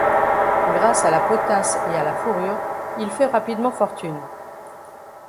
Grâce à la potasse et à la fourrure, il fait rapidement fortune.